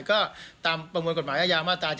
ก็ตามประมวลกฎหมายอาญามาตรา๗